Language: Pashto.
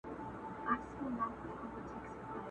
لښکر د سورلنډیو به تر ګوره پوري تښتي!